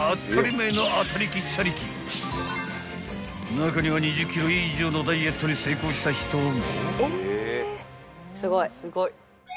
［中には２０ｋｇ以上のダイエットに成功した人も］